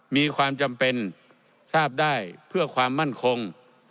มีความจำเป็นทราบได้เพื่อความมั่นคง